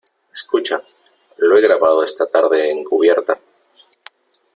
escucha , lo he grabado esta tarde en cubierta .